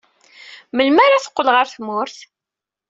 Melmi ara teqqel ɣer tmurt?